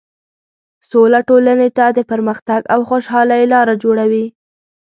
سوله ټولنې ته د پرمختګ او خوشحالۍ لاره جوړوي.